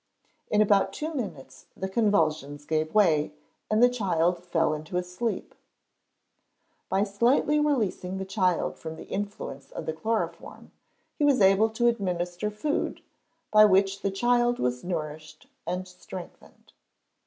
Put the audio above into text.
In about two minutes the convulsions gave way, and the child fell into a sleep. By slightly releasing the child from the influence of the chloroform, he was able to administer food, by which the child was nourished and strengthened.